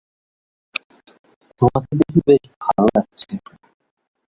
তোমাকে দেখে বেশ ভালো লাগছে।